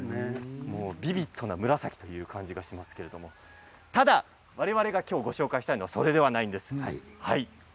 ビビッドな紫という感じがしますけれどもただ、われわれがきょうご紹介したいのはそれではないんです。